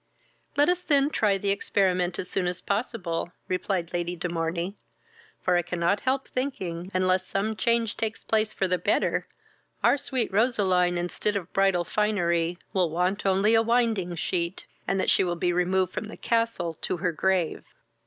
"Let us then try the experiment as soon as possible, (replied Lady de Morney;) for I cannot help thinking, unless some change takes place for the better, our sweet Roseline, instead of bridal finery, will want only a winding sheet, and that she will be removed from the castle to her grave."